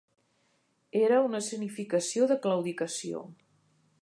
Era una escenificació de claudicació.